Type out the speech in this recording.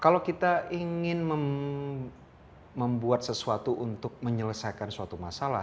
kalau kita ingin membuat sesuatu untuk menyelesaikan suatu masalah